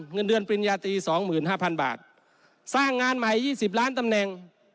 เงินเดือนปริญญาตรีสองหมื่นห้าพันบาทสร้างงานใหม่ยี่สิบล้านตำแหน่ง